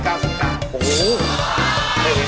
โอ้โฮเรียกไว้มากับตาตัวเองแล้ว